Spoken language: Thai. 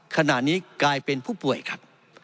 ขณะนี้กลายเป็นผู้ป่วยครับ